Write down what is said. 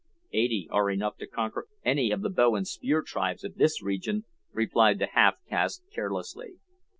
"Eighty are enough to conquer any of the bow and spear tribes of this region," replied the half caste carelessly.